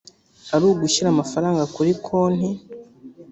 ari ugushyira amafaranga kuri konti